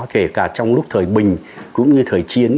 kể cả trong lúc thời bình cũng như thời chiến